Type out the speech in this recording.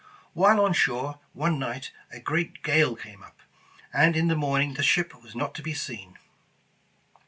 While on shore one night, a great gale came up, and in the morning the ship was not to be seen.